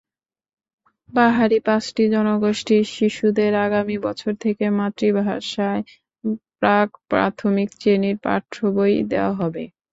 পাহাড়ি পাঁচটি জনগোষ্ঠীর শিশুদের আগামী বছর থেকে মাতৃভাষায় প্রাক্-প্রাথমিক শ্রেণির পাঠ্যবই দেওয়া হবে।